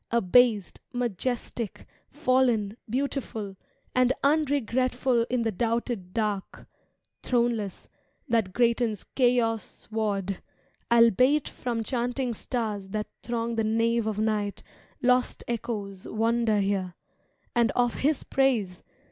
Abased, majestic, fallen, beautiful. And unregretful in the doubted dark, Throneless, that greatens Chaos^ward, albeit From chanting stars that throng the nave of night, Lost echoes wander here, and of His praise.